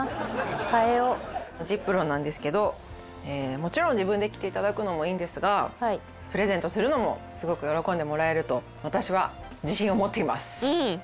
ｚｉｐｒｏｎなんですけどもちろん自分で着て頂くのもいいんですがプレゼントするのもすごく喜んでもらえると私は自信を持っています。